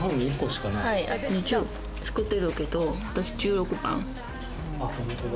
あと２０作ってるけど、私１６番。